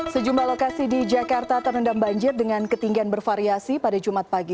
sejumlah lokasi di jakarta terendam banjir dengan ketinggian bervariasi pada jumat pagi